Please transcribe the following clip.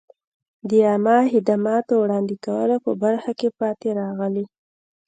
د عامه خدماتو وړاندې کولو په برخه کې پاتې راغلي.